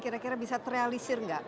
kira kira bisa terrealisir nggak